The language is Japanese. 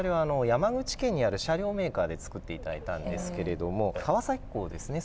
山口県にある車両メーカーで作って頂いたんですけれども川崎港ですね